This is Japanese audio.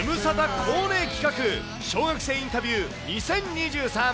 恒例企画、小学生インタビュー２０２３。